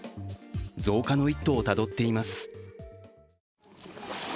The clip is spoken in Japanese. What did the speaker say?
増加の一途をたどっています。